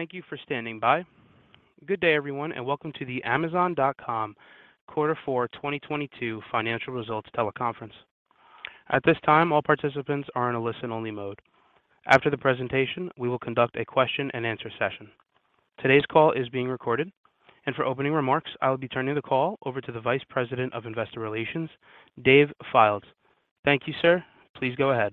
Thank you for standing by. Good day, everyone, and welcome to the Amazon.com quarter four 2022 financial results teleconference. At this time, all participants are in a listen-only mode. After the presentation, we will conduct a question-and-answer session. Today's call is being recorded, and for opening remarks, I'll be turning the call over to the Vice President of Investor Relations, Dave Fildes. Thank you, sir. Please go ahead.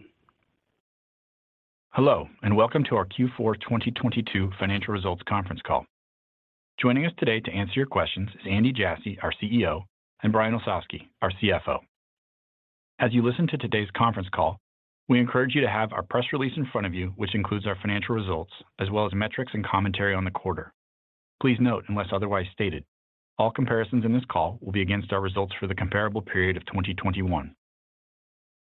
Hello. Welcome to our Q4 2022 Financial Results Conference Call. Joining us today to answer your questions is Andy Jassy, our CEO, and Brian Olsavsky, our CFO. As you listen to today's conference call, we encourage you to have our press release in front of you, which includes our financial results as well as metrics and commentary on the quarter. Please note, unless otherwise stated, all comparisons in this call will be against our results for the comparable period of 2021.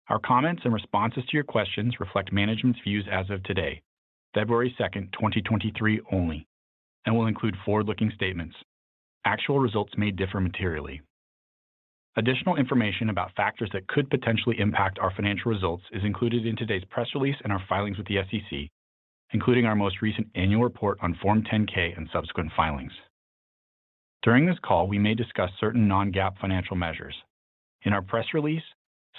Our comments and responses to your questions reflect management's views as of today, February 2nd, 2023 only, and will include forward-looking statements. Actual results may differ materially. Additional information about factors that could potentially impact our financial results is included in today's press release and our filings with the SEC, including our most recent annual report on Form 10-K and subsequent filings. During this call, we may discuss certain non-GAAP financial measures. In our press release,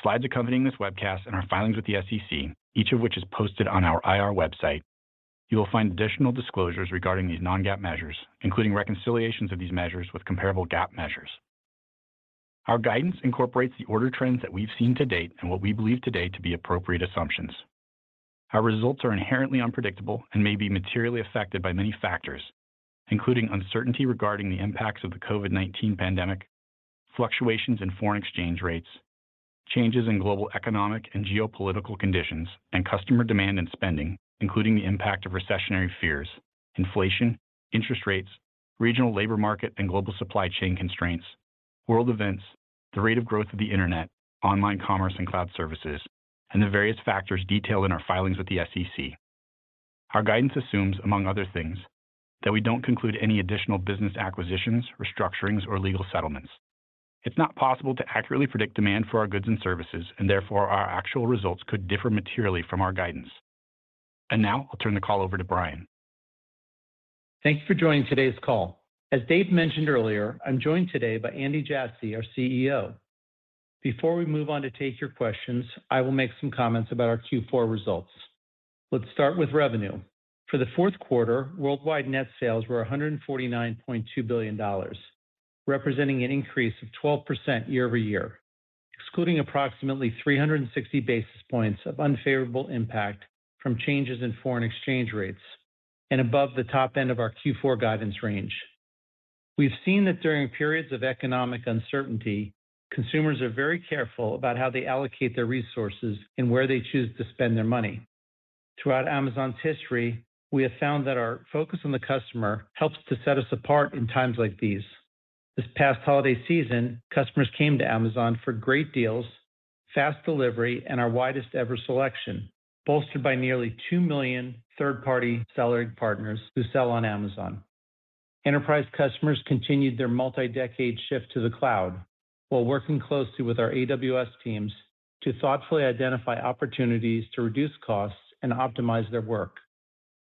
slides accompanying this webcast and our filings with the SEC, each of which is posted on our IR website, you will find additional disclosures regarding these non-GAAP measures, including reconciliations of these measures with comparable GAAP measures. Our guidance incorporates the order trends that we've seen to date and what we believe today to be appropriate assumptions. Our results are inherently unpredictable and may be materially affected by many factors, including uncertainty regarding the impacts of the COVID-19 pandemic, fluctuations in foreign exchange rates, changes in global economic and geopolitical conditions, and customer demand and spending, including the impact of recessionary fears, inflation, interest rates, regional labor market, and global supply chain constraints, world events, the rate of growth of the Internet, online commerce and cloud services, and the various factors detailed in our filings with the SEC. Our guidance assumes, among other things, that we don't conclude any additional business acquisitions, restructurings, or legal settlements. It's not possible to accurately predict demand for our goods and services, and therefore, our actual results could differ materially from our guidance. Now, I'll turn the call over to Brian. Thank you for joining today's call. As Dave mentioned earlier, I'm joined today by Andy Jassy, our CEO. Before we move on to take your questions, I will make some comments about our Q4 results. Let's start with revenue. For the fourth quarter, worldwide net sales were $149.2 billion, representing an increase of 12% year-over-year, excluding approximately 360 basis points of unfavorable impact from changes in foreign exchange rates and above the top end of our Q4 guidance range. We've seen that during periods of economic uncertainty, consumers are very careful about how they allocate their resources and where they choose to spend their money. Throughout Amazon's history, we have found that our focus on the customer helps to set us apart in times like these. This past holiday season, customers came to Amazon for great deals, fast delivery, and our widest ever selection, bolstered by nearly 2 million third-party seller partners who sell on Amazon. Enterprise customers continued their multi-decade shift to the cloud while working closely with our AWS teams to thoughtfully identify opportunities to reduce costs and optimize their work.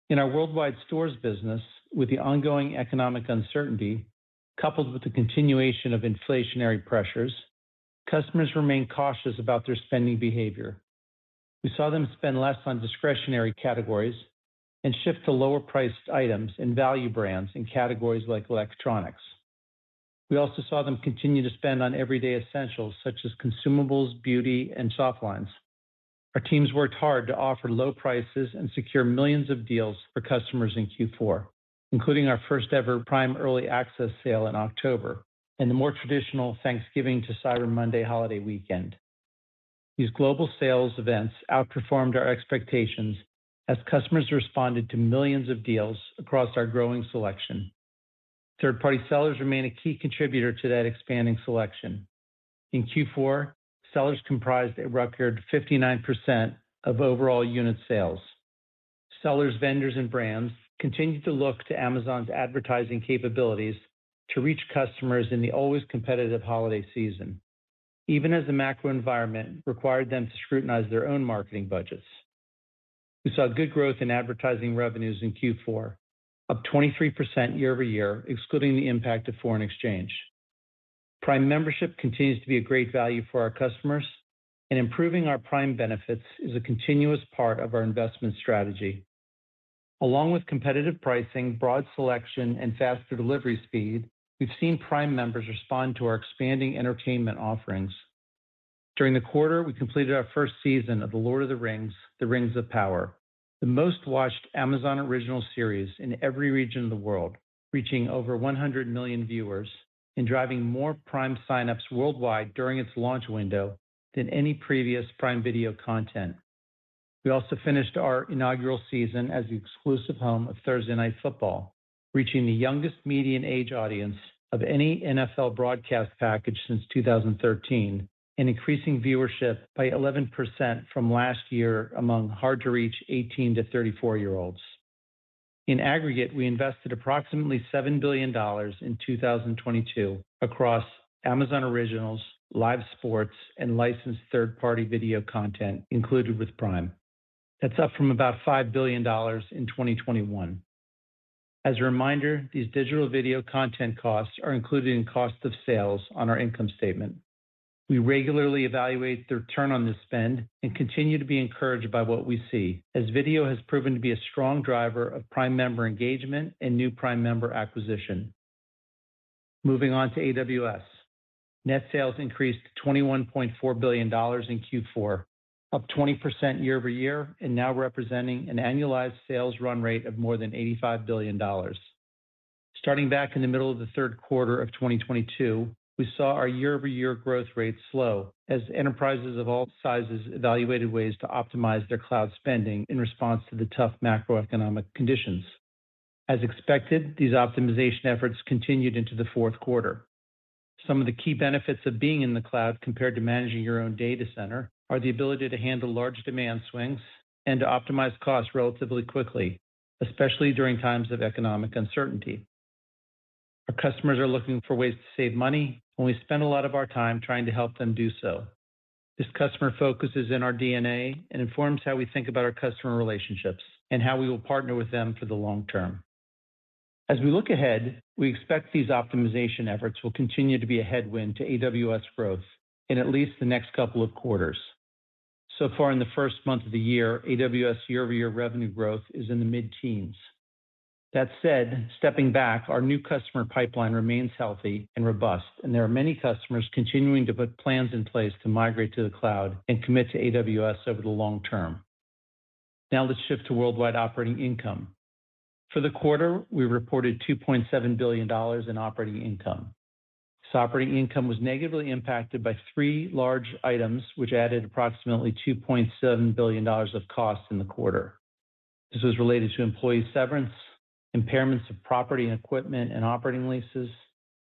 In our worldwide stores business, with the ongoing economic uncertainty, coupled with the continuation of inflationary pressures, customers remain cautious about their spending behavior. We saw them spend less on discretionary categories and shift to lower-priced items and value brands in categories like electronics. We also saw them continue to spend on everyday essentials such as consumables, beauty, and soft lines. Our teams worked hard to offer low prices and secure millions of deals for customers in Q4, including our first-ever Prime Early Access Sale in October and the more traditional Thanksgiving to Cyber Monday holiday weekend. These global sales events outperformed our expectations as customers responded to millions of deals across our growing selection. Third-party sellers remain a key contributor to that expanding selection. In Q4, sellers comprised a record 59% of overall unit sales. Sellers, vendors, and brands continued to look to Amazon's advertising capabilities to reach customers in the always competitive holiday season, even as the macro environment required them to scrutinize their own marketing budgets. We saw good growth in advertising revenues in Q4, up 23% year-over-year, excluding the impact of foreign exchange. Prime Membership continues to be a great value for our customers, and improving our Prime benefits is a continuous part of our investment strategy. Along with competitive pricing, broad selection, and faster delivery speed, we've seen Prime members respond to our expanding entertainment offerings. During the quarter, we completed our first season of The Lord of the Rings: The Rings of Power, the most-watched Amazon Original series in every region of the world, reaching over 100 million viewers and driving more Prime sign-ups worldwide during its launch window than any previous Prime Video content. We also finished our inaugural season as the exclusive home of Thursday Night Football, reaching the youngest median age audience of any NFL broadcast package since 2013, and increasing viewership by 11% from last year among hard-to-reach 18-34-year-olds. In aggregate, we invested approximately $7 billion in 2022 across Amazon Originals, live sports, and licensed third-party video content included with Prime. That's up from about $5 billion in 2021. As a reminder, these digital video content costs are included in cost of sales on our income statement. We regularly evaluate the return on this spend and continue to be encouraged by what we see, as video has proven to be a strong driver of Prime member engagement and new Prime member acquisition. Moving on to AWS. Net sales increased to $21.4 billion in Q4, up 20% year-over-year and now representing an annualized sales run rate of more than $85 billion. Starting back in the middle of the third quarter of 2022, we saw our year-over-year growth rate slow as enterprises of all sizes evaluated ways to optimize their cloud spending in response to the tough macroeconomic conditions. As expected, these optimization efforts continued into the fourth quarter. Some of the key benefits of being in the cloud compared to managing your own data center are the ability to handle large demand swings and to optimize costs relatively quickly, especially during times of economic uncertainty. Our customers are looking for ways to save money, and we spend a lot of our time trying to help them do so. This customer focus is in our DNA and informs how we think about our customer relationships and how we will partner with them for the long term. As we look ahead, we expect these optimization efforts will continue to be a headwind to AWS growth in at least the next couple of quarters. In the first month of the year, AWS year-over-year revenue growth is in the mid-teens. That said, stepping back, our new customer pipeline remains healthy and robust, and there are many customers continuing to put plans in place to migrate to the cloud and commit to AWS over the long term. Now let's shift to worldwide operating income. For the quarter, we reported $2.7 billion in operating income. This operating income was negatively impacted by three large items, which added approximately $2.7 billion of costs in the quarter. This was related to employee severance, impairments of property and equipment and operating leases,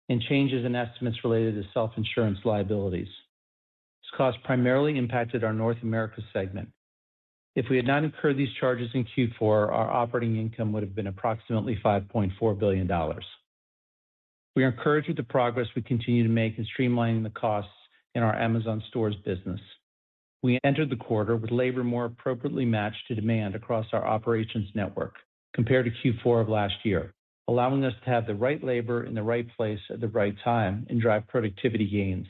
and changes in estimates related to self-insurance liabilities. This cost primarily impacted our North America segment. If we had not incurred these charges in Q4, our operating income would have been approximately $5.4 billion. We are encouraged with the progress we continue to make in streamlining the costs in our Amazon Stores business. We entered the quarter with labor more appropriately matched to demand across our operations network compared to Q4 of last year, allowing us to have the right labor in the right place at the right time and drive productivity gains.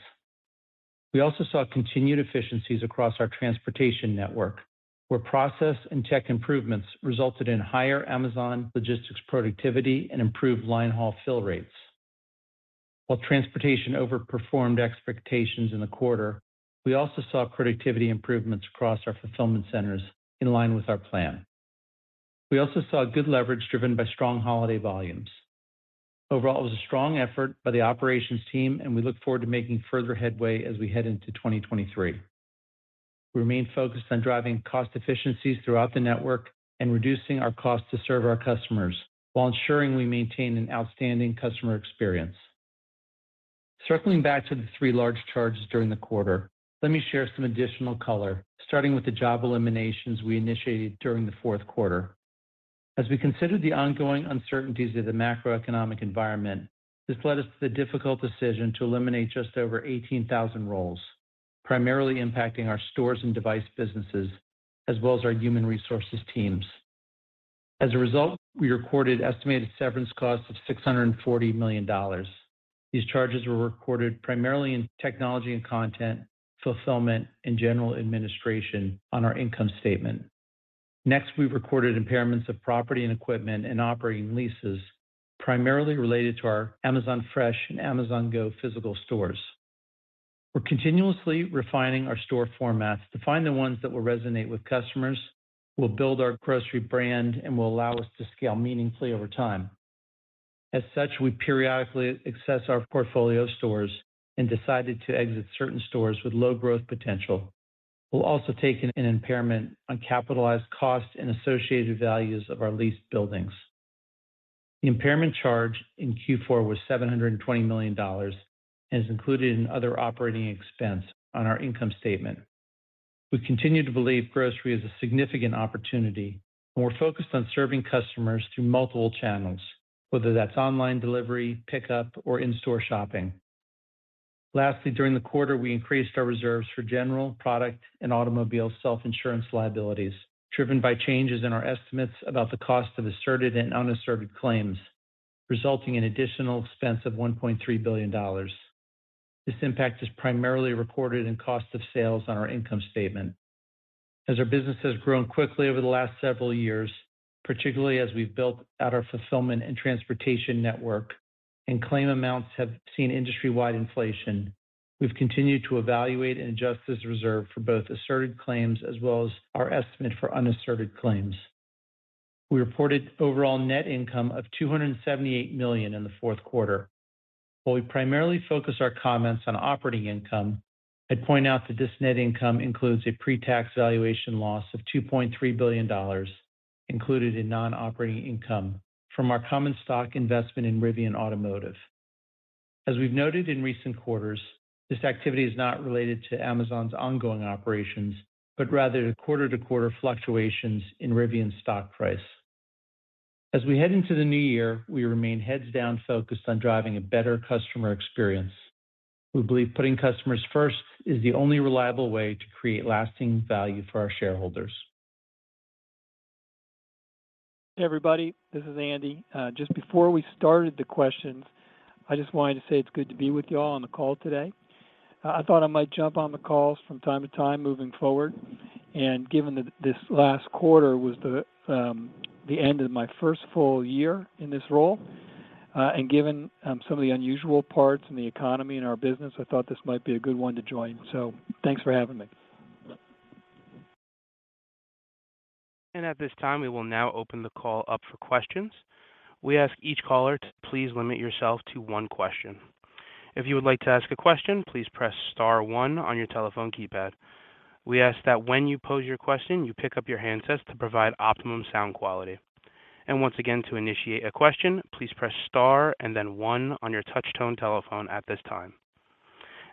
We also saw continued efficiencies across our transportation network, where process and tech improvements resulted in higher Amazon Logistics productivity and improved line haul fill rates. While transportation overperformed expectations in the quarter, we also saw productivity improvements across our fulfillment centers in line with our plan. We also saw good leverage driven by strong holiday volumes. Overall, it was a strong effort by the operations team, and we look forward to making further headway as we head into 2023. We remain focused on driving cost efficiencies throughout the network and reducing our cost to serve our customers while ensuring we maintain an outstanding customer experience. Circling back to the three large charges during the quarter, let me share some additional color, starting with the job eliminations we initiated during the 4th quarter. As we considered the ongoing uncertainties of the macroeconomic environment, this led us to the difficult decision to eliminate just over 18,000 roles, primarily impacting our stores and device businesses, as well as our human resources teams. As a result, we recorded estimated severance costs of $640 million. These charges were recorded primarily in technology and content, fulfillment, and general administration on our income statement. We recorded impairments of property and equipment and operating leases primarily related to our Amazon Fresh and Amazon Go physical stores. We're continuously refining our store formats to find the ones that will resonate with customers, will build our grocery brand, and will allow us to scale meaningfully over time. We periodically assess our portfolio of stores and decided to exit certain stores with low growth potential. We'll also take an impairment on capitalized costs and associated values of our leased buildings. The impairment charge in Q4 was $720 million and is included in other operating expense on our income statement. We continue to believe grocery is a significant opportunity, and we're focused on serving customers through multiple channels, whether that's online delivery, pickup, or in-store shopping. Lastly, during the quarter, we increased our reserves for general, product, and automobile self-insurance liabilities, driven by changes in our estimates about the cost of asserted and unasserted claims, resulting in additional expense of $1.3 billion. This impact is primarily reported in cost of sales on our income statement. As our business has grown quickly over the last several years, particularly as we've built out our fulfillment and transportation network and claim amounts have seen industry-wide inflation, we've continued to evaluate and adjust this reserve for both asserted claims as well as our estimate for unasserted claims. We reported overall net income of $278 million in the fourth quarter. While we primarily focus our comments on operating income, I'd point out that this net income includes a pre-tax valuation loss of $2.3 billion included in non-operating income from our common stock investment in Rivian Automotive. As we've noted in recent quarters, this activity is not related to Amazon's ongoing operations, but rather to quarter-to-quarter fluctuations in Rivian's stock price. As we head into the new year, we remain heads down focused on driving a better customer experience. We believe putting customers first is the only reliable way to create lasting value for our shareholders. Everybody, this is Andy. Just before we started the questions, I just wanted to say it's good to be with you all on the call today. I thought I might jump on the call from time to time moving forward. Given that this last quarter was the end of my first full year in this role, and given some of the unusual parts in the economy and our business, I thought this might be a good one to join. Thanks for having me. At this time, we will now open the call up for questions. We ask each caller to please limit yourself to one question. If you would like to ask a question, please press star one on your telephone keypad. We ask that when you pose your question, you pick up your handsets to provide optimum sound quality. Once again, to initiate a question, please press star and then one on your touch-tone telephone at this time.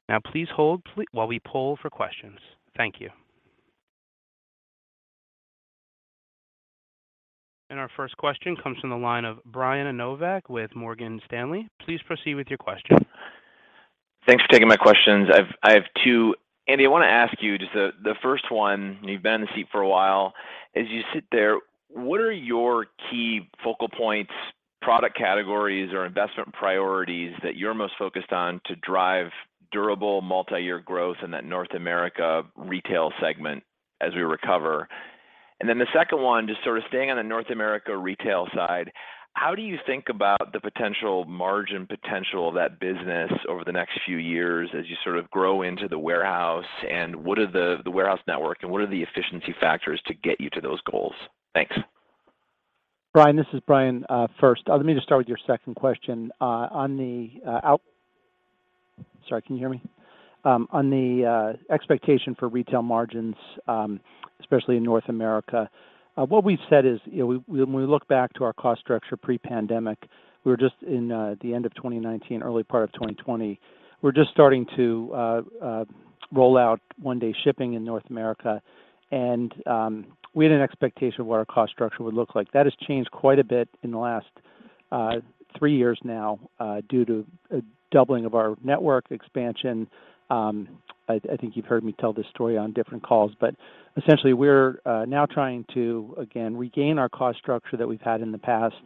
Now please hold while we poll for questions. Thank you. Our first question comes from the line of Brian Nowak with Morgan Stanley. Please proceed with your question. Thanks for taking my questions. I have two. Andy, I wanna ask you just, the first one, you've been in the seat for a while. As you sit there, what are your key focal points, product categories, or investment priorities that you're most focused on to drive durable multi-year growth in that North America retail segment as we recover? Then the second one, just sort of staying on the North America retail side, how do you think about the potential margin potential of that business over the next few years as you sort of grow into the warehouse and what are the warehouse network and what are the efficiency factors to get you to those goals? Thanks. Brian, this is Brian. First, let me just start with your second question. Sorry, can you hear me? On the expectation for retail margins, especially in North America, what we've said is, you know, when we look back to our cost structure pre-pandemic, we were just in the end of 2019, early part of 2020. We're just starting to roll out 1-day shipping in North America. We had an expectation of what our cost structure would look like. That has changed quite a bit in the last three years now, due to a doubling of our network expansion. I think you've heard me tell this story on different calls, but essentially, we're now trying to again, regain our cost structure that we've had in the past,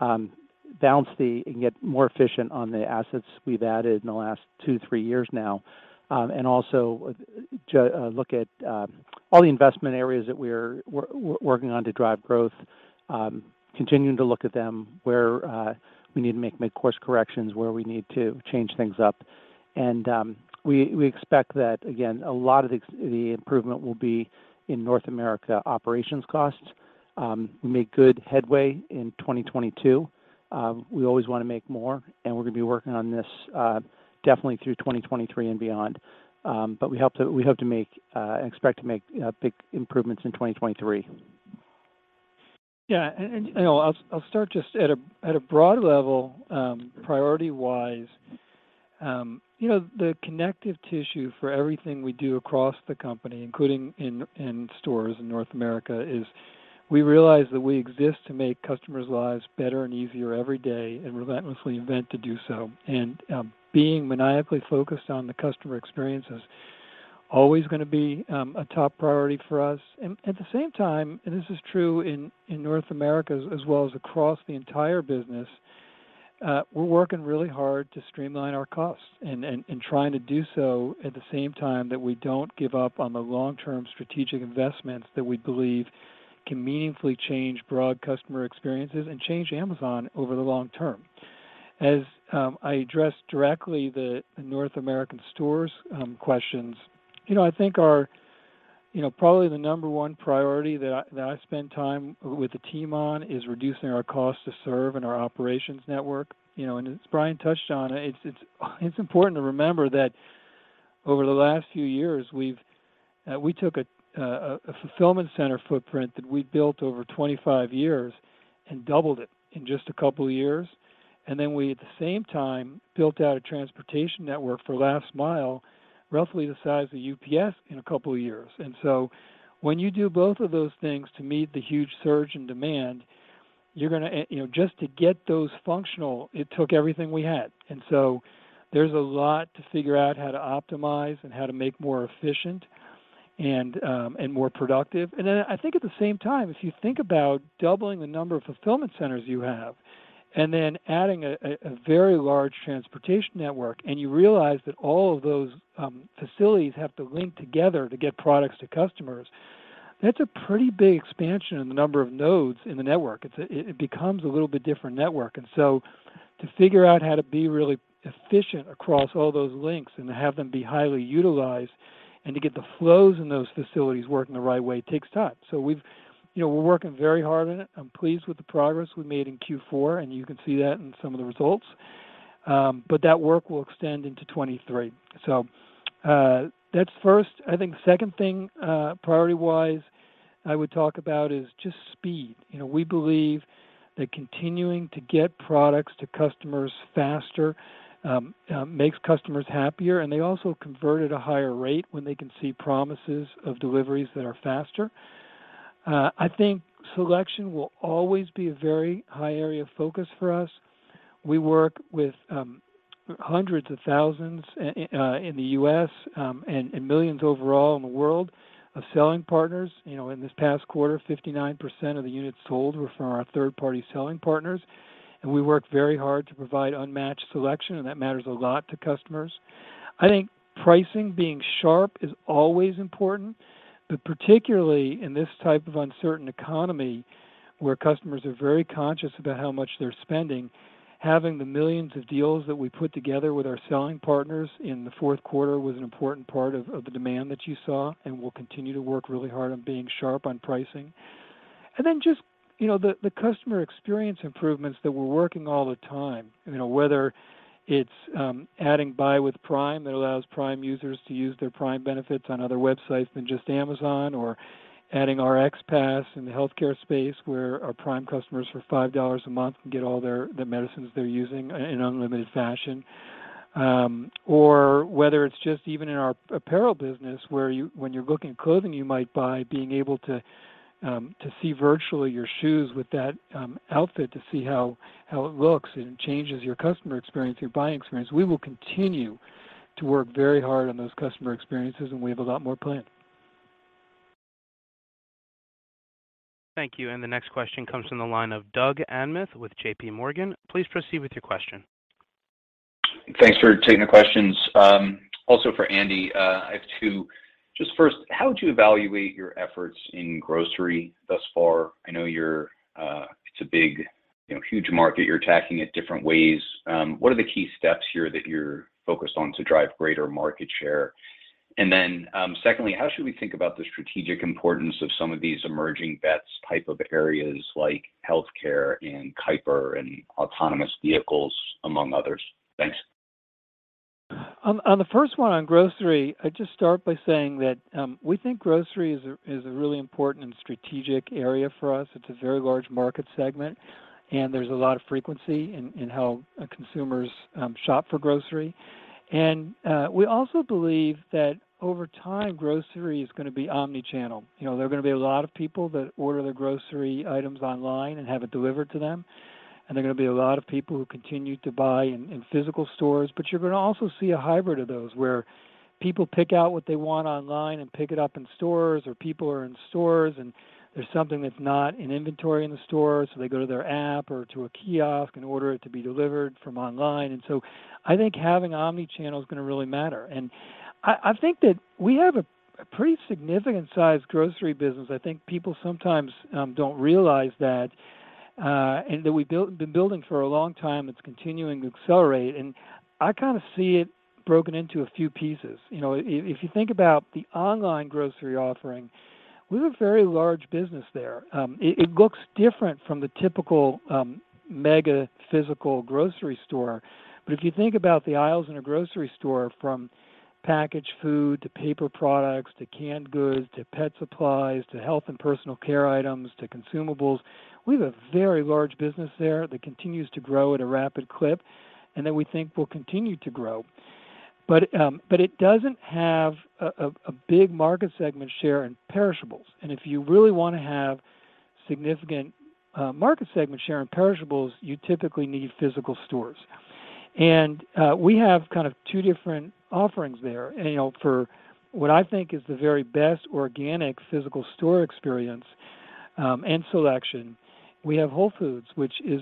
balance the, and get more efficient on the assets we've added in the last two, three years now. Also to look at all the investment areas that we're working on to drive growth, continuing to look at them where we need to make course corrections, where we need to change things up. We expect that, again, a lot of the improvement will be in North America operations costs. We made good headway in 2022. We always wanna make more, and we're gonna be working on this definitely through 2023 and beyond. We hope to make, and expect to make, big improvements in 2023. Yeah. You know, I'll start just at a, at a broad level, priority-wise. You know, the connective tissue for everything we do across the company, including in stores in North America, is we realize that we exist to make customers' lives better and easier every day and relentlessly invent to do so. Being maniacally focused on the customer experience is always gonna be, a top priority for us. At the same time, and this is true in North America as well as across the entire business, we're working really hard to streamline our costs and trying to do so at the same time that we don't give up on the long-term strategic investments that we believe can meaningfully change broad customer experiences and change Amazon over the long term. As I address directly the North American stores questions, you know, I think our, you know, probably the number one priority that I spend time with the team on is reducing our cost to serve and our operations network. You know, as Brian touched on, it's important to remember that over the last few years, we've we took a fulfillment center footprint that we built over 25 years and doubled it in just a couple years. Then we, at the same time, built out a transportation network for last mile, roughly the size of UPS in a couple years. So when you do both of those things to meet the huge surge in demand, you're gonna, you know, just to get those functional, it took everything we had. So there's a lot to figure out how to optimize and how to make more efficient and more productive. I think at the same time, if you think about doubling the number of fulfillment centers you have and then adding a very large transportation network, and you realize that all of those facilities have to link together to get products to customers, that's a pretty big expansion in the number of nodes in the network. It becomes a little bit different network. To figure out how to be really efficient across all those links and to have them be highly utilized and to get the flows in those facilities working the right way takes time. We've, you know, we're working very hard on it. I'm pleased with the progress we made in Q4, and you can see that in some of the results. That work will extend into 2023. That's first. I think second thing, priority-wise I would talk about is just speed. You know, we believe that continuing to get products to customers faster, makes customers happier, and they also convert at a higher rate when they can see promises of deliveries that are faster. I think selection will always be a very high area of focus for us. We work with hundreds of thousands in the U.S., and millions overall in the world of selling partners. You know, in this past quarter, 59% of the units sold were from our third-party selling partners. We work very hard to provide unmatched selection, and that matters a lot to customers. I think pricing being sharp is always important. Particularly in this type of uncertain economy where customers are very conscious about how much they're spending, having the millions of deals that we put together with our selling partners in the fourth quarter was an important part of the demand that you saw. We'll continue to work really hard on being sharp on pricing. Just, you know, the customer experience improvements that we're working all the time, you know, whether it's adding Buy with Prime that allows Prime users to use their Prime benefits on other websites than just Amazon, or adding RxPass in the healthcare space where our Prime customers for $5 a month can get all their, the medicines they're using in unlimited fashion. Whether it's just even in our apparel business where when you're looking at clothing you might buy, being able to see virtually your shoes with that outfit to see how it looks, and it changes your customer experience, your buying experience. We will continue to work very hard on those customer experiences, and we have a lot more planned. Thank you. The next question comes from the line of Doug Anmuth with JPMorgan. Please proceed with your question. Thanks for taking the questions. Also for Andy, I have two. Just first, how would you evaluate your efforts in grocery thus far? I know you're, it's a big, you know, huge market. You're attacking it different ways. What are the key steps here that you're focused on to drive greater market share? Secondly, how should we think about the strategic importance of some of these emerging bets type of areas like healthcare and Kuiper and autonomous vehicles, among others? Thanks. On the first one on grocery, I'd just start by saying that we think grocery is a really important and strategic area for us. It's a very large market segment, there's a lot of frequency in how consumers shop for grocery. We also believe that over time, grocery is gonna be omni-channel. You know, there are gonna be a lot of people that order their grocery items online and have it delivered to them, there are gonna be a lot of people who continue to buy in physical stores. You're gonna also see a hybrid of those, where people pick out what they want online and pick it up in stores, or people are in stores and there's something that's not in inventory in the store, so they go to their app or to a kiosk and order it to be delivered from online. I think having omni-channel is gonna really matter. I think that we have a pretty significant sized grocery business. I think people sometimes don't realize that, and that we've been building for a long time. It's continuing to accelerate. I kinda see it broken into a few pieces. You know, if you think about the online grocery offering, we have a very large business there. It, it looks different from the typical mega physical grocery store. If you think about the aisles in a grocery store from packaged food to paper products to canned goods to pet supplies to health and personal care items to consumables, we have a very large business there that continues to grow at a rapid clip, and that we think will continue to grow. It doesn't have a big market segment share in perishables. If you really wanna have significant market segment share in perishables, you typically need physical stores. We have kind of two different offerings there. You know, for what I think is the very best organic physical store experience and selection, we have Whole Foods, which is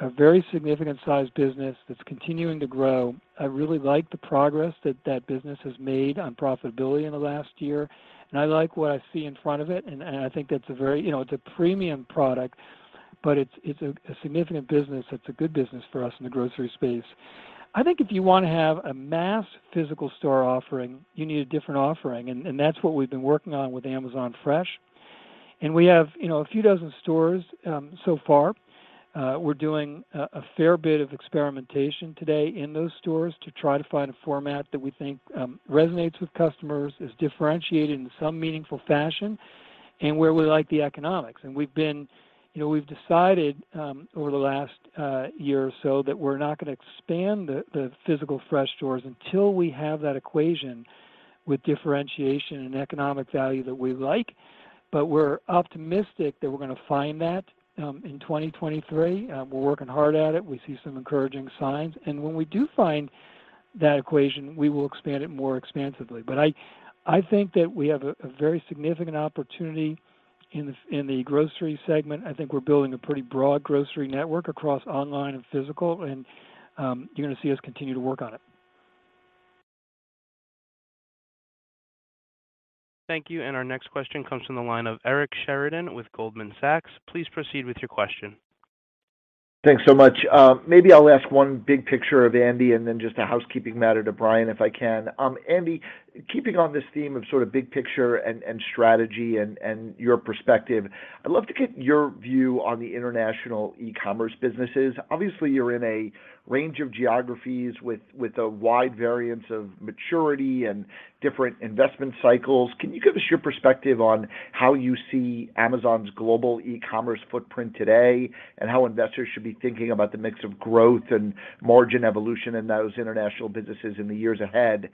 a very significant sized business that's continuing to grow. I really like the progress that business has made on profitability in the last year, I like what I see in front of it, I think that's a very... You know, it's a premium product, but it's a significant business. It's a good business for us in the grocery space. I think if you wanna have a mass physical store offering, you need a different offering, that's what we've been working on with Amazon Fresh. We have, you know, a few dozen stores so far. We're doing a fair bit of experimentation today in those stores to try to find a format that we think resonates with customers, is differentiated in some meaningful fashion, and where we like the economics. We've been... You know, we've decided, over the last year or so that we're not gonna expand the physical Fresh stores until we have that equation with differentiation and economic value that we like. We're optimistic that we're gonna find that in 2023. We're working hard at it. We see some encouraging signs. When we do find that equation, we will expand it more expansively. I think that we have a very significant opportunity in the grocery segment. I think we're building a pretty broad grocery network across online and physical, and you're gonna see us continue to work on it. Thank you. Our next question comes from the line of Eric Sheridan with Goldman Sachs. Please proceed with your question. Thanks so much. Maybe I'll ask one big picture of Andy, and then just a housekeeping matter to Brian, if I can. Andy, keeping on this theme of sort of big picture and strategy and your perspective, I'd love to get your view on the international e-commerce businesses. Obviously, you're in a range of geographies with a wide variance of maturity and different investment cycles. Can you give us your perspective on how you see Amazon's global e-commerce footprint today, and how investors should be thinking about the mix of growth and margin evolution in those international businesses in the years ahead?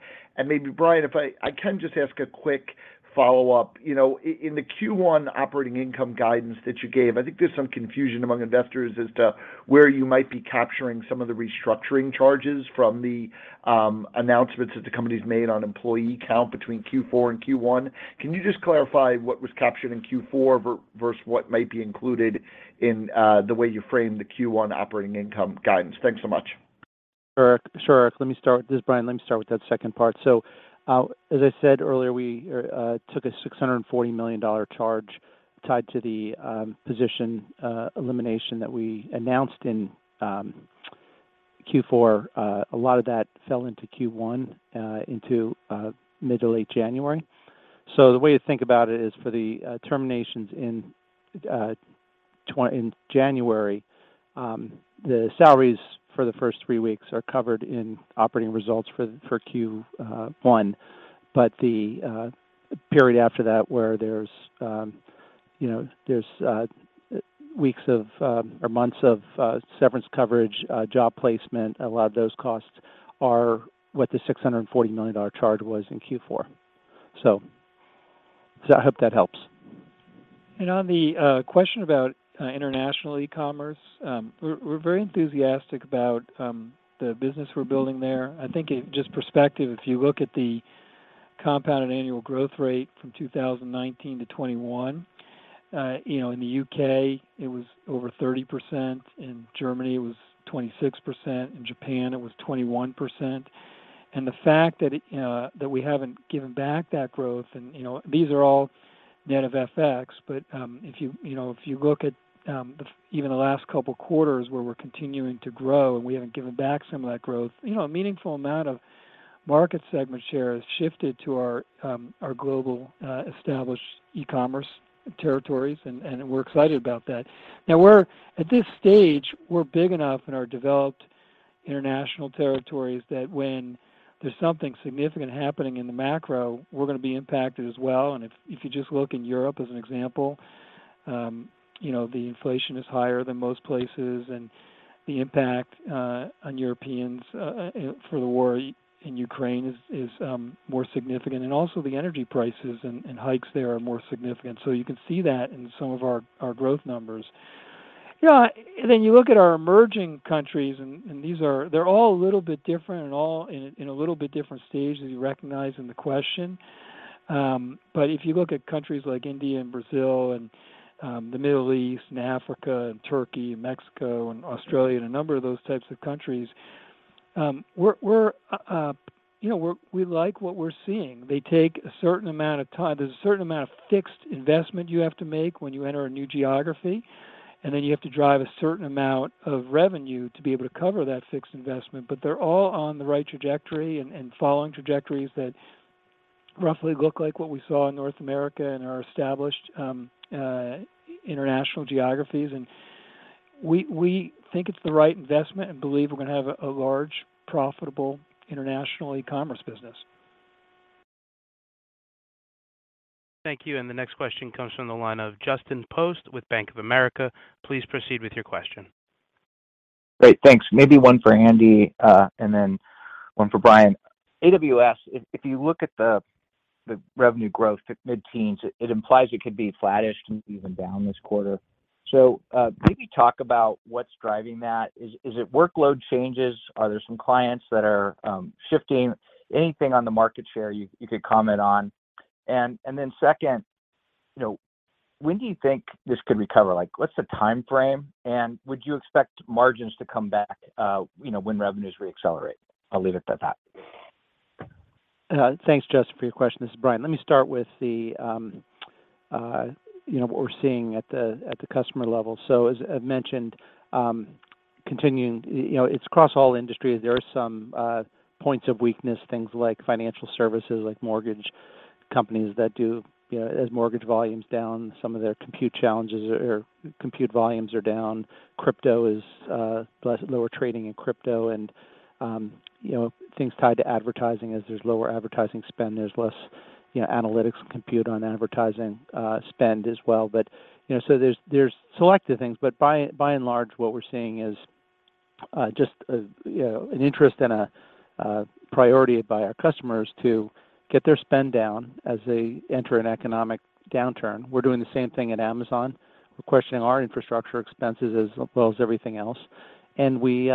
Maybe Brian, if I can just ask a quick follow-up. You know, in the Q1 operating income guidance that you gave, I think there's some confusion among investors as to where you might be capturing some of the restructuring charges from the announcements that the company's made on employee count between Q4 and Q1. Can you just clarify what was captured in Q4 versus what might be included in the way you framed the Q1 operating income guidance? Thanks so much. Sure, sure. This is Brian. Let me start with that second part. As I said earlier, we took a $640 million charge tied to the position elimination that we announced in Q4. A lot of that fell into Q1, into mid to late January. The way to think about it is for the terminations in January, the salaries for the first 3 weeks are covered in operating results for Q1. The period after that, where there's, you know, there's weeks of or months of severance coverage, job placement, a lot of those costs are what the $640 million charge was in Q4. I hope that helps. On the question about international e-commerce, we're very enthusiastic about the business we're building there. Just perspective, if you look at the compounded annual growth rate from 2019-2021, you know, in the U.K., it was over 30%. In Germany, it was 26%. In Japan, it was 21%. The fact that we haven't given back that growth and, you know, these are all net of FX, but if you know, if you look at even the last couple quarters where we're continuing to grow, and we haven't given back some of that growth, you know, a meaningful amount of market segment share has shifted to our global established e-commerce territories, and we're excited about that. At this stage, we're big enough in our developed international territories that when there's something significant happening in the macro, we're gonna be impacted as well. If you just look in Europe as an example, you know, the inflation is higher than most places, and the impact on Europeans, you know, for the war in Ukraine is more significant. Also the energy prices and hikes there are more significant. You can see that in some of our growth numbers. Yeah. You look at our emerging countries and these are they're all a little bit different and all in a little bit different stage, as you recognize in the question. If you look at countries like India and Brazil and the Middle East and Africa and Turkey and Mexico and Australia and a number of those types of countries, we like what we're seeing. They take a certain amount of time. There's a certain amount of fixed investment you have to make when you enter a new geography, and then you have to drive a certain amount of revenue to be able to cover that fixed investment. They're all on the right trajectory and following trajectories that roughly look like what we saw in North America and our established international geographies. We, we think it's the right investment and believe we're gonna have a large, profitable international e-commerce business. Thank you. The next question comes from the line of Justin Post with Bank of America. Please proceed with your question. Great. Thanks. Maybe one for Andy and then one for Brian. AWS, if you look at the revenue growth, mid-teens, it implies it could be flattish, can be even down this quarter. Maybe talk about what's driving that. Is it workload changes? Are there some clients that are shifting? Anything on the market share you could comment on? Then second, you know, when do you think this could recover? Like, what's the timeframe, and would you expect margins to come back, you know, when revenues reaccelerate? I'll leave it at that. Thanks, Justin, for your question. This is Brian. Let me start with the, you know, what we're seeing at the customer level. As I've mentioned, continuing, you know, it's across all industries, there are some points of weakness, things like financial services, like mortgage companies that do, you know, as mortgage volume's down, some of their compute challenges or compute volumes are down. crypto is less, lower trading in crypto and, you know, things tied to advertising. As there's lower advertising spend, there's less, you know, analytics compute on advertising spend as well. You know, there's selective things. By and large, what we're seeing is just a, you know, an interest and a priority by our customers to get their spend down as they enter an economic downturn. We're doing the same thing at Amazon. We're questioning our infrastructure expenses as well as everything else. We,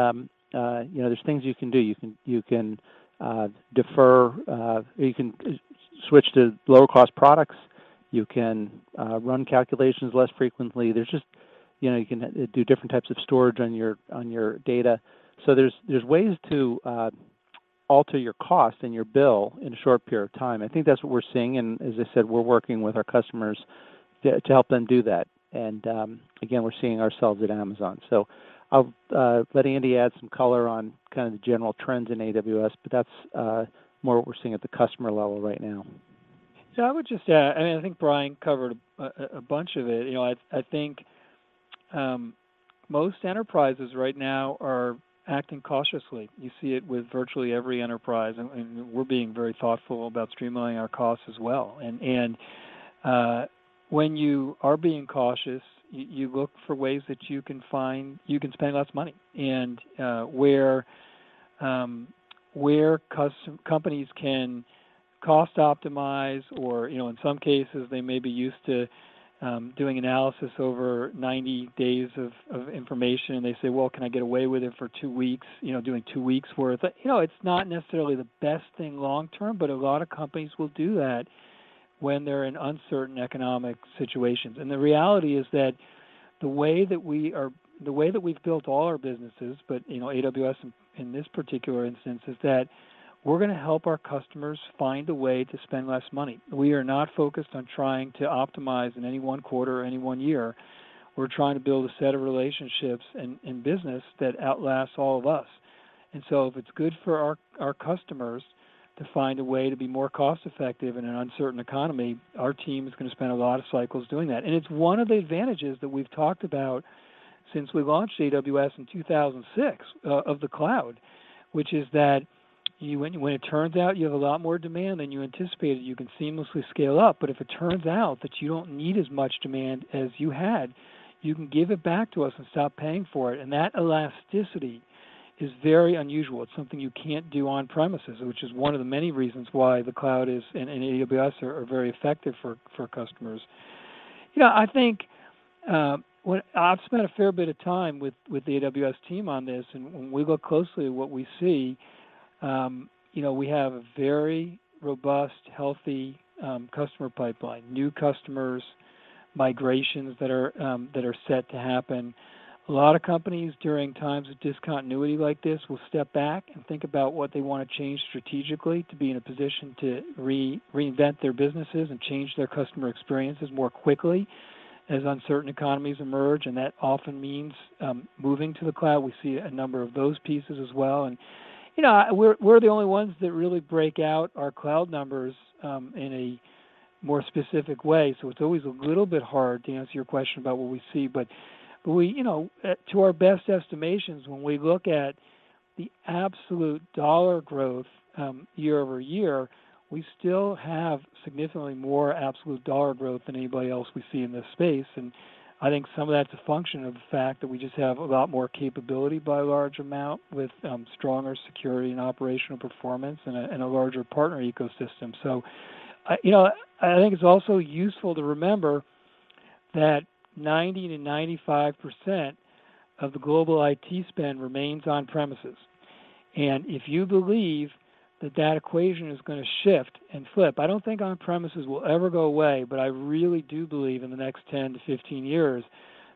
you know, there's things you can do. You can defer or you can switch to lower cost products. You can run calculations less frequently. There's just, you know, you can do different types of storage on your data. There's ways to alter your cost and your bill in a short period of time. I think that's what we're seeing. As I said, we're working with our customers to help them do that. We're seeing ourselves at Amazon. I'll let Andy add some color on kind of the general trends in AWS, but that's more what we're seeing at the customer level right now. Yeah, I would just add, I mean, I think Brian covered a bunch of it. You know, I think most enterprises right now are acting cautiously. You see it with virtually every enterprise, and we're being very thoughtful about streamlining our costs as well. When you are being cautious, you look for ways that you can find you can spend less money and where companies can cost optimize or, you know, in some cases, they may be used to doing analysis over 90 days of information, and they say, "Well, can I get away with it for 2 weeks, you know, doing 2 weeks worth?" You know, it's not necessarily the best thing long term, but a lot of companies will do that when they're in uncertain economic situations. The reality is that the way that we've built all our businesses, but AWS in this particular instance, is that we're gonna help our customers find a way to spend less money. We are not focused on trying to optimize in any one quarter or any one year. We're trying to build a set of relationships and in business that outlasts all of us. If it's good for our customers to find a way to be more cost-effective in an uncertain economy, our team is gonna spend a lot of cycles doing that. It's one of the advantages that we've talked about since we launched AWS in 2006 of the cloud, which is that when it turns out you have a lot more demand than you anticipated, you can seamlessly scale up. If it turns out that you don't need as much demand as you had, you can give it back to us and stop paying for it. That elasticity is very unusual. It's something you can't do on-premises, which is one of the many reasons why the cloud and AWS are very effective for customers. I think, I've spent a fair bit of time with the AWS team on this, and when we look closely at what we see, we have a very robust, healthy customer pipeline, new customers, migrations that are set to happen. A lot of companies during times of discontinuity like this will step back and think about what they wanna change strategically to be in a position to reinvent their businesses and change their customer experiences more quickly as uncertain economies emerge, that often means moving to the cloud. We see a number of those pieces as well. We're the only ones that really break out our cloud numbers in a more specific way, so it's always a little bit hard to answer your question about what we see. To our best estimations, when we look at the absolute dollar growth year-over-year, we still have significantly more absolute dollar growth than anybody else we see in this space. I think some of that's a function of the fact that we just have a lot more capability by a large amount with stronger security and operational performance and a larger partner ecosystem. I think it's also useful to remember that 90%-95% of the global IT spend remains on-premises. If you believe that that equation is gonna shift and flip, I don't think on-premises will ever go away, but I really do believe in the next 10 to 15 years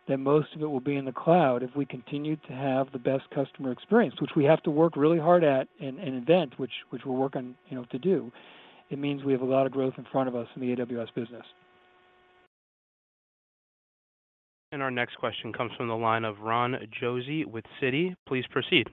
that most of it will be in the cloud if we continue to have the best customer experience, which we have to work really hard at and invent, which we're working to do. It means we have a lot of growth in front of us in the AWS business. Our next question comes from the line of Ron Josey with Citi. Please proceed.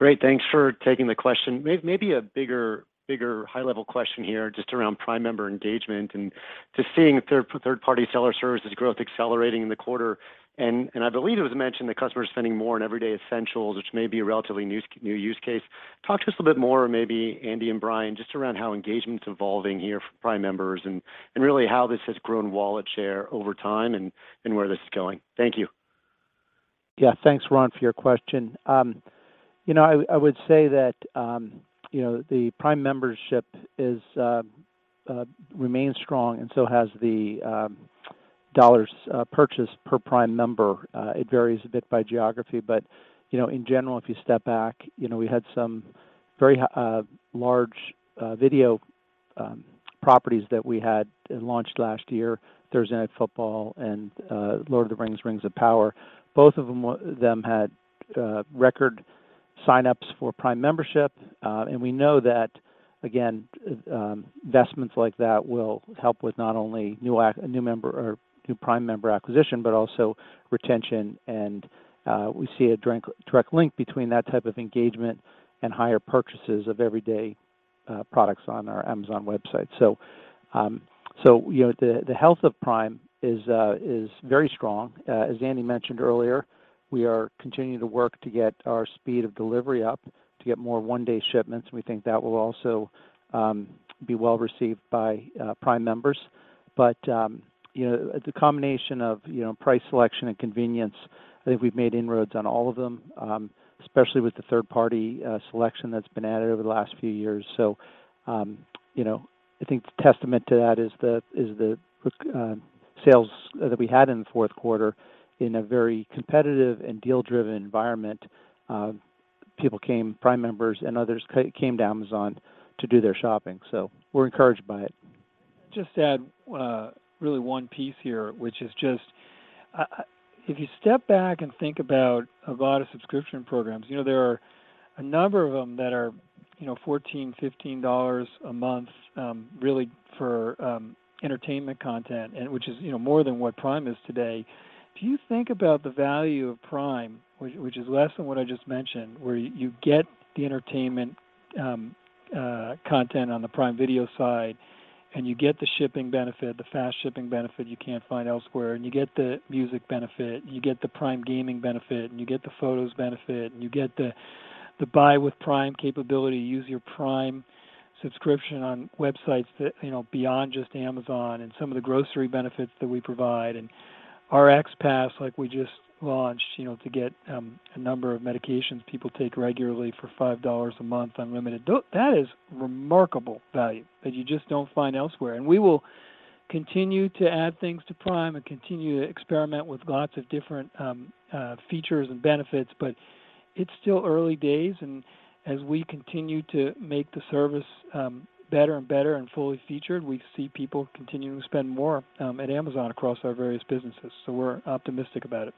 Great. Thanks for taking the question. Maybe a bigger high-level question here just around Prime member engagement and just seeing third-party seller services growth accelerating in the quarter. I believe it was mentioned that customers are spending more on everyday essentials, which may be a relatively new use case. Talk to us a little bit more, maybe Andy and Brian, just around how engagement's evolving here for Prime members and really how this has grown wallet share over time and where this is going? Thank you. Thanks, Ron, for your question. I would say that the Prime membership remains strong, and so has the dollars purchased per Prime member. It varies a bit by geography, but in general, if you step back, we had some very large video properties that we had launched last year, Thursday Night Football and The Lord of the Rings: The Rings of Power. Both of them had record signups for Prime membership. We know that, again, investments like that will help with not only new Prime member acquisition, but also retention. We see a direct link between that type of engagement and higher purchases of everyday products on our Amazon website. The health of Prime is very strong. As Andy mentioned earlier, we are continuing to work to get our speed of delivery up to get more one-day shipments. We think that will also be well received by Prime members. It's a combination of price selection and convenience. I think we've made inroads on all of them, especially with the third-party selection that's been added over the last few years. I think testament to that is the sales that we had in the fourth quarter in a very competitive and deal-driven environment. People came, Prime members and others came to Amazon to do their shopping. We're encouraged by it. Just add really one piece here, which is just if you step back and think about a lot of subscription programs, there are a number of them that are $14, $15 a month really for entertainment content, which is more than what Prime is today. If you think about the value of Prime, which is less than what I just mentioned, where you get the entertainment content on the Prime Video side, and you get the shipping benefit, the fast shipping benefit you can't find elsewhere, and you get the music benefit, you get the Prime Gaming benefit, and you get the photos benefit, and you get the Buy with Prime capability, use your Prime subscription on websites beyond just Amazon, and some of the grocery benefits that we provide, and our RxPass like we just launched to get a number of medications people take regularly for $5 a month unlimited. That is remarkable value that you just don't find elsewhere. We will continue to add things to Prime and continue to experiment with lots of different features and benefits. It's still early days, and as we continue to make the service, better and better and fully featured, we see people continuing to spend more at Amazon across our various businesses. We're optimistic about it.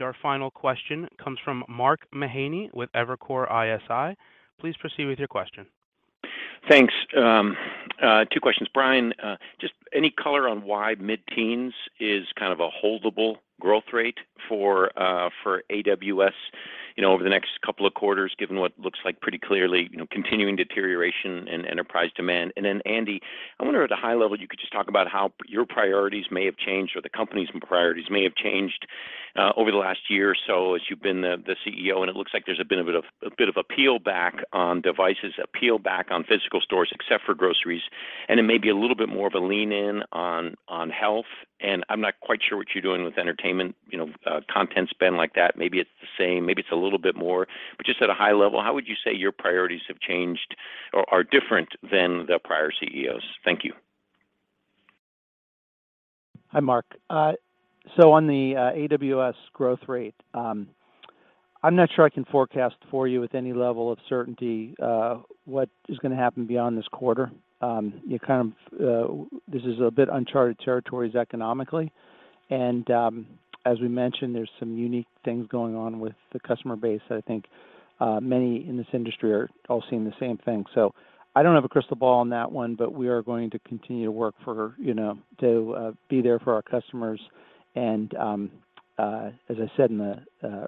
Our final question comes from Mark Mahaney with Evercore ISI. Please proceed with your question. Thanks. Two questions. Brian, just any color on why mid-teens is kind of a holdable growth rate for AWS, you know, over the next couple of quarters, given what looks like pretty clearly, you know, continuing deterioration in enterprise demand? Andy, I wonder at a high level, you could just talk about how your priorities may have changed or the company's priorities may have changed over the last year or so as you've been the CEO, and it looks like there's a bit of a peel back on devices, a peel back on physical stores except for groceries, and it may be a little bit more of a lean in on health. I'm not quite sure what you're doing with entertainment, you know, content spend like that. Maybe it's the same, maybe it's a little bit more. Just at a high level, how would you say your priorities have changed or are different than the prior CEOs? Thank you. Hi, Mark. On the AWS growth rate, I'm not sure I can forecast for you with any level of certainty, what is gonna happen beyond this quarter. This is a bit uncharted territories economically, and, as we mentioned, there's some unique things going on with the customer base that I think many in this industry are all seeing the same thing. I don't have a crystal ball on that one, but we are going to continue to work for, you know, to be there for our customers. As I said in the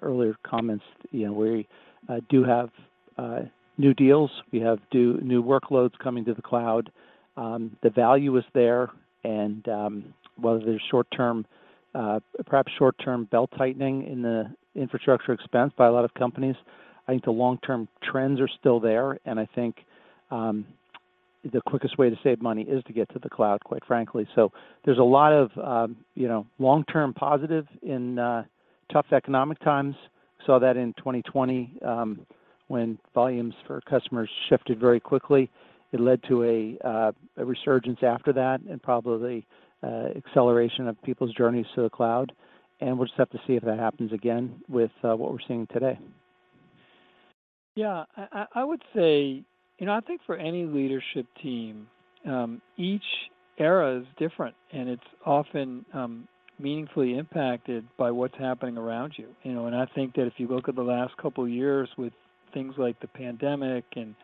earlier comments, you know, we do have new deals. We have new workloads coming to the cloud. The value is there, and while there's short-term, perhaps short-term belt-tightening in the infrastructure expense by a lot of companies, I think the long-term trends are still there, and I think the quickest way to save money is to get to the cloud, quite frankly. There's a lot of, you know, long-term positive in tough economic times. Saw that in 2020, when volumes for customers shifted very quickly. It led to a resurgence after that and probably acceleration of people's journeys to the cloud. We'll just have to see if that happens again with what we're seeing today. Yeah. I, I would say, you know, I think for any leadership team, each era is different, and it's often meaningfully impacted by what's happening around you know. I think that if you look at the last couple years with things like the pandemic and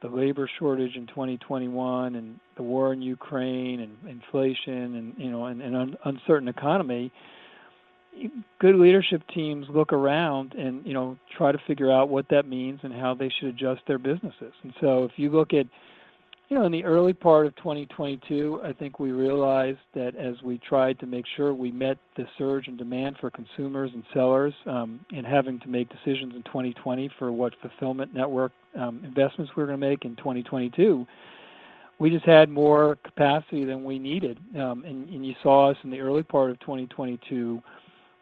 the labor shortage in 2021 and the war in Ukraine and inflation and, you know, an uncertain economy, good leadership teams look around and, you know, try to figure out what that means and how they should adjust their businesses. If you look at, you know, in the early part of 2022, I think we realized that as we tried to make sure we met the surge in demand for consumers and sellers, and having to make decisions in 2020 for what fulfillment network investments we were gonna make in 2022, we just had more capacity than we needed. You saw us in the early part of 2022,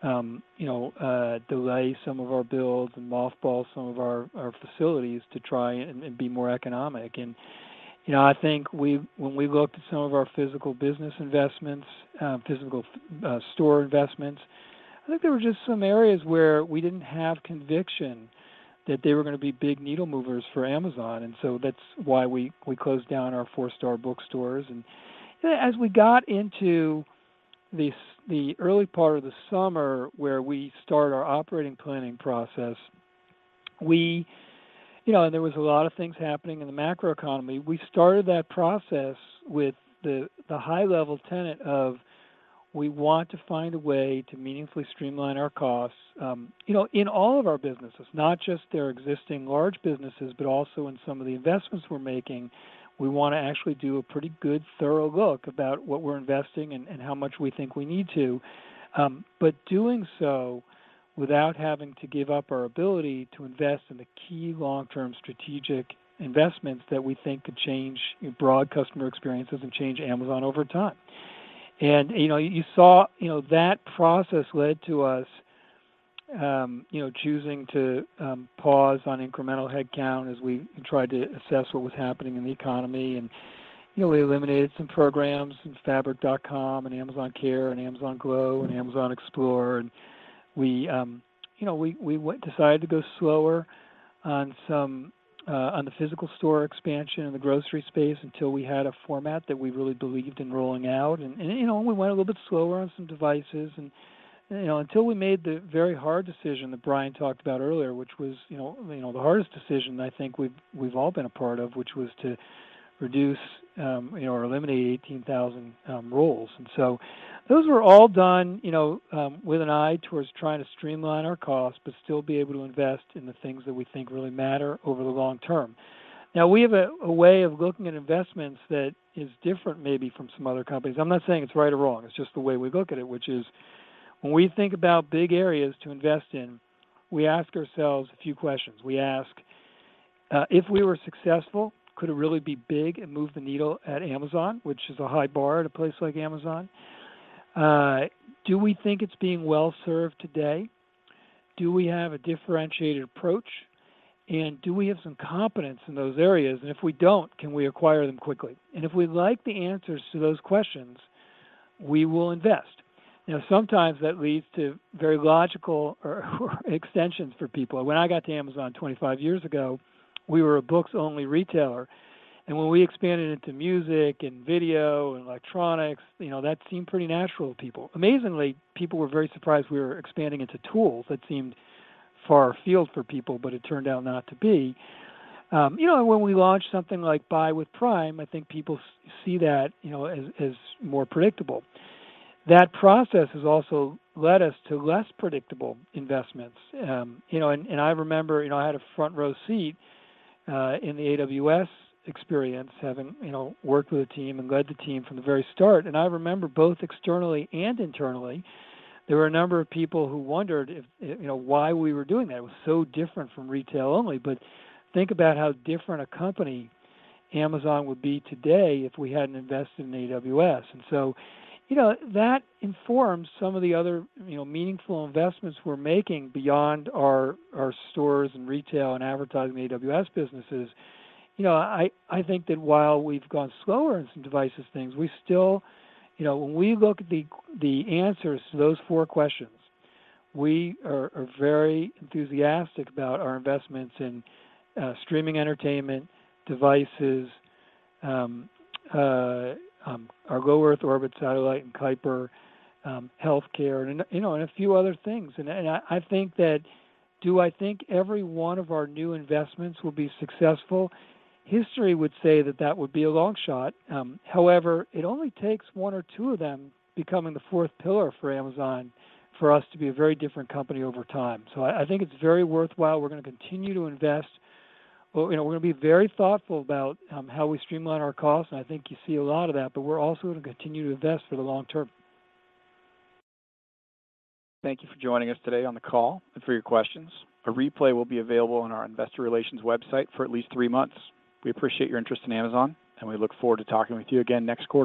you know, delay some of our builds and mothball some of our facilities to try and be more economic. You know, I think we, when we looked at some of our physical business investments, physical store investments, I think there were just some areas where we didn't have conviction that they were gonna be big needle movers for Amazon, so that's why we closed down our four-star bookstores. As we got into the early part of the summer where we start our operating planning process, we. You know, there was a lot of things happening in the macroeconomy. We started that process with the high level tenet of we want to find a way to meaningfully streamline our costs, you know, in all of our businesses, not just their existing large businesses, but also in some of the investments we're making. We wanna actually do a pretty good thorough look about what we're investing and how much we think we need to, but doing so without having to give up our ability to invest in the key long-term strategic investments that we think could change broad customer experiences and change Amazon over time. You saw, you know, that process led to us, you know, choosing to pause on incremental headcount as we tried to assess what was happening in the economy. You know, we eliminated some programs from Fabric.com and Amazon Care and Amazon Glow and Amazon Explore. We, you know, we decided to go slower on some on the physical store expansion in the grocery space until we had a format that we really believed in rolling out. You know, we went a little bit slower on some devices and, you know, until we made the very hard decision that Brian talked about earlier, which was, you know, the hardest decision I think we've all been a part of, which was to reduce or eliminate 18,000 roles. Those were all done, you know, with an eye towards trying to streamline our costs, but still be able to invest in the things that we think really matter over the long term. Now, we have a way of looking at investments that is different maybe from some other companies. I'm not saying it's right or wrong, it's just the way we look at it, which is when we think about big areas to invest in, we ask ourselves a few questions. We ask, "If we were successful, could it really be big and move the needle at Amazon?" Which is a high bar at a place like Amazon. Do we think it's being well served today? Do we have a differentiated approach, and do we have some competence in those areas? If we don't, can we acquire them quickly? If we like the answers to those questions, we will invest. You know, sometimes that leads to very logical or extensions for people. When I got to Amazon 25 years ago, we were a books-only retailer, and when we expanded into music and video and electronics, you know, that seemed pretty natural to people. Amazingly, people were very surprised we were expanding into tools. That seemed far field for people, but it turned out not to be. You know, when we launched something like Buy with Prime, I think people see that, you know, as more predictable. That process has also led us to less predictable investments. You know, I remember, you know, I had a front row seat in the AWS experience, having, you know, worked with the team and led the team from the very start. I remember both externally and internally, there were a number of people who wondered if, you know, why we were doing that. It was so different from retail only. Think about how different a company Amazon would be today if we hadn't invested in AWS. You know, that informs some of the other, you know, meaningful investments we're making beyond our stores and retail and advertising AWS businesses. You know, I think that while we've gone slower in some devices things, we still, you know, when we look at the answers to those four questions, we are very enthusiastic about our investments in streaming entertainment devices, our low Earth orbit satellite and Kuiper, healthcare and, you know, and a few other things. I think that do I think every one of our new investments will be successful? History would say that that would be a long shot. However, it only takes one or two of them becoming the fourth pillar for Amazon for us to be a very different company over time. I think it's very worthwhile. We're gonna continue to invest. You know, we're gonna be very thoughtful about how we streamline our costs, and I think you see a lot of that, but we're also gonna continue to invest for the long term. Thank you for joining us today on the call and for your questions. A replay will be available on our investor relations website for at least three months. We appreciate your interest in Amazon. We look forward to talking with you again next quarter.